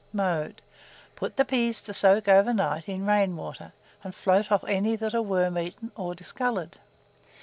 Mode. Put the peas to soak over night, in rain water, and float off any that are wormeaten or discoloured.